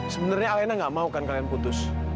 sebenarnya alena gak mau kan kalian putus